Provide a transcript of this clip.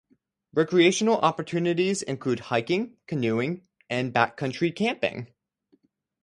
Recreational opportunities include hiking, canoeing, and backcountry camping.